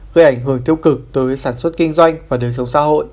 gây ảnh hưởng tiêu cực tới sản xuất kinh doanh và đời sống xã hội